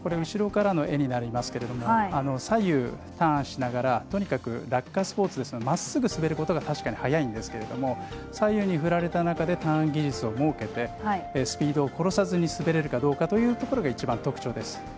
後ろからの画になりますが左右にターンしながらとにかく落下スピードですのでまっすぐ滑ることが確かに速いんですけど左右に振られた中でターン技術を設けてスピードを殺さずに滑れるかどうかが一番の特徴です。